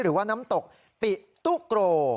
หรือว่าน้ำตกปิตุโก